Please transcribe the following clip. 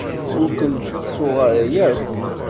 Ur kent-ttuɣ ara akk.